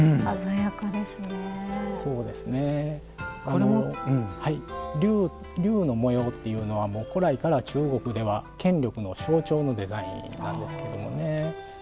あの竜の模様っていうのは古来から中国では権力の象徴のデザインなんですけどもね。